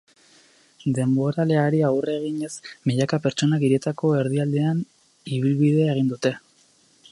Denboraleari aurre eginez, milaka pertsonak hirietako erdialdean ibilbidea egin dute.